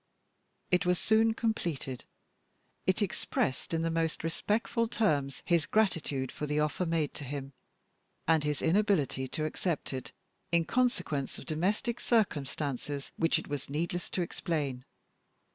It was soon completed. It expressed in the most respectful terms his gratitude for the offer made to him, and his inability to accept it, in consequence of domestic circumstances which it was needless to explain.